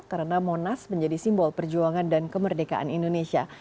karena monas menjadi simbol perjuangan dan kemerdekaan indonesia